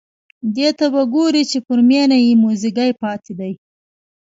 دې ته به ګوري چې پر مېنه یې موزیګی پاتې دی.